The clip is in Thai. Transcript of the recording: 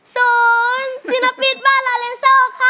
สู้สินพิษบ้านลาเรนเซิลค่ะ